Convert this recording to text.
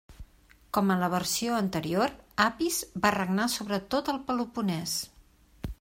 Com en la versió anterior, Apis va regnar sobre tot el Peloponès.